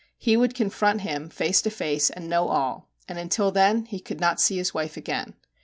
He would confront him face to face and know all and until then he could not see his wife again.